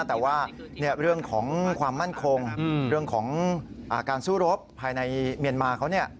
แต่ว่าเรื่องของความมั่นคงเรื่องของการสู้รบภายในเมียนมาเขาเนี่ย